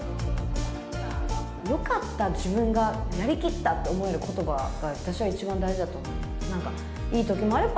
よかった、自分がやりきったって思えることが、私は一番大事だと思います。